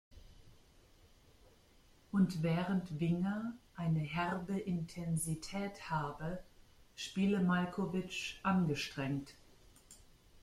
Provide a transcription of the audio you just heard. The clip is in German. Und während Winger eine "„herbe Intensität“" habe, spiele Malkovich angestrengt.